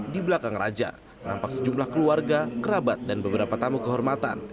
di belakang raja nampak sejumlah keluarga kerabat dan beberapa tamu kehormatan